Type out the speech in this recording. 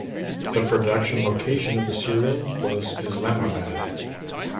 The production location of the serial was Islamabad.